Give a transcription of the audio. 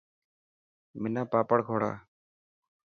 منا پاپڙ کوڙا.